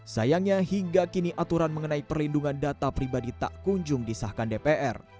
sayangnya hingga kini aturan mengenai perlindungan data pribadi tak kunjung disahkan dpr